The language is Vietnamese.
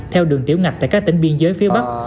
theo đường tiểu ngạch tại các tỉnh biên giới phía bắc